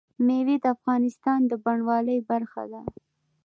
مېوې د افغانستان د بڼوالۍ برخه ده.